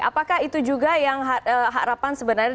apakah itu juga yang harapan sebenarnya